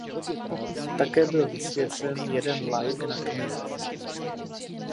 Také byl vysvěcen jeden laik na kněze.